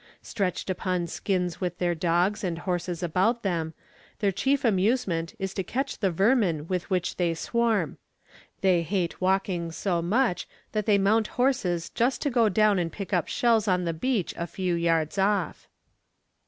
Stretched upon skins with their dogs and horses about them, their chief amusement is to catch the vermin with which they swarm. They hate walking so much that they mount horses just to go down and pick up shells on the beach a few yards off.